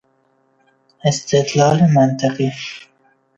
استدلال منطقی